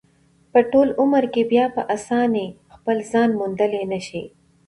په ټول عمر کې بیا په اسانۍ خپل ځان موندلی نشي.